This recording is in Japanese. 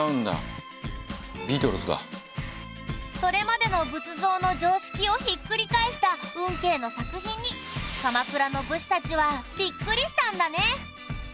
それまでの仏像の常識をひっくり返した運慶の作品に鎌倉の武士たちはビックリしたんだね。